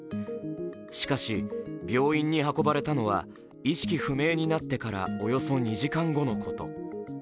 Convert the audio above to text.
しかし、病院に運ばれたのは意識不明になってからおよそ２時間後のこと。